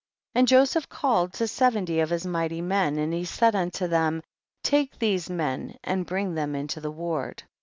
34. And Joseph called to seventy of his mighty men, and he said unto them, take these men and bring them into the ward.